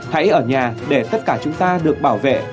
hãy ở nhà để tất cả chúng ta được bảo vệ